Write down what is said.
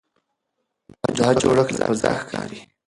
دا جوړښت له فضا ښکاري.